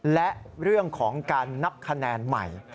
และเรื่องของการนับคะแนนใหม่